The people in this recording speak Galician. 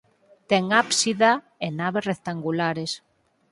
Ten ábsida e nave rectangulares.